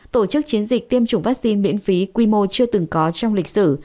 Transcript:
tổ chức chiến dịch tiêm chủng vaccine miễn phí quy mô chưa từng có trong lịch sử